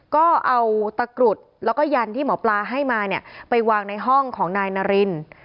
ก็เอาตะกรุดแล้วก็ยันที่หมอปลาให้มาเนี่ยไปวางในห้องของนายนาริน